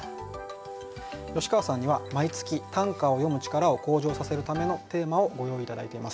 吉川さんには毎月短歌を詠む力を向上させるためのテーマをご用意頂いています。